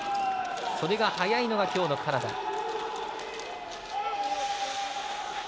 それが早いのがきょうのカナダ。